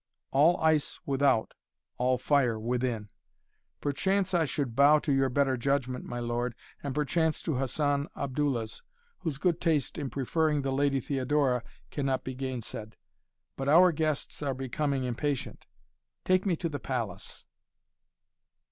All ice without, all fire within. Perchance I should bow to your better judgment, my lord, and perchance to Hassan Abdullah's, whose good taste in preferring the Lady Theodora cannot be gainsaid. But, our guests are becoming impatient. Take me to the palace."